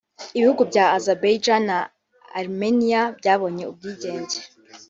Ibihugu bya Azerbaijan na Armenia byabonye ubwigenge